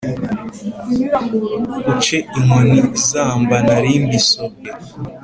Uce inkoni zamba narimbisobwe